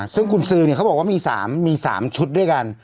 ซึ่งกุญซือเขาบอกว่ามี๓ชุดด้วยกัน